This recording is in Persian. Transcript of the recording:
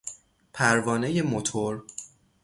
پروانهی موتور